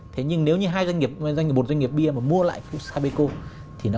thế nhưng nếu như hai doanh nghiệp một doanh nghiệp bia mà mua lại sapeco